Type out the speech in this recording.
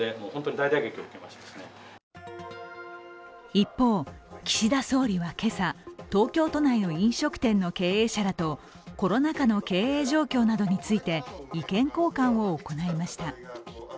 一方、岸田総理は今朝、東京都内の飲食店の経営者らとコロナ禍の経営状況などについて意見交換を行いました。